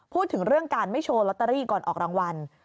พูดถึงเรื่องการไม่โชว์ลอตเตอรี่ก่อนออกรางวัล